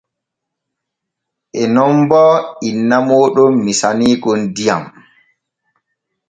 En non bo inna mooɗon misaniikon diyam.